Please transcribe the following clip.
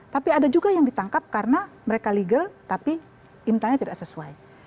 tapi ada juga yang ditangkap karena mereka legal tapi intannya tidak sesuai